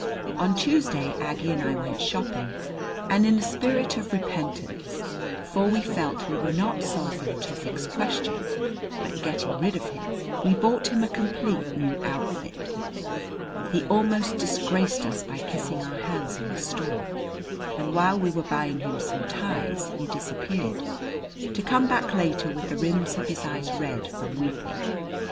On Tuesday Aggie and I went shopping; and in a spirit of repentance for we felt we were not solving Tufik's question but getting rid of him we bought him a complete new outfit. He almost disgraced us by kissing our hands in the store, and while we were buying him some ties he disappeared to come back later with the rims of his eyes red from weeping.